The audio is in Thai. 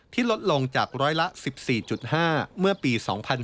ลดลงจากร้อยละ๑๔๕เมื่อปี๒๕๕๙